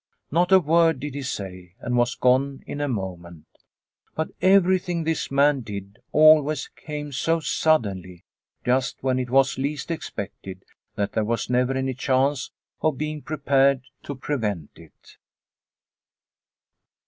Not a word did he say, and was gone in a moment. But everything this man did, always came so suddenly, just when it was least ex pected, that there was never any chance of being prepared to prevent it.